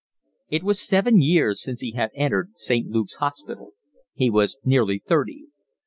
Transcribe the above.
It was seven years since he had entered St. Luke's Hospital. He was nearly thirty.